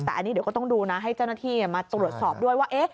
แต่อันนี้เดี๋ยวก็ต้องดูนะให้เจ้าหน้าที่มาตรวจสอบด้วยว่า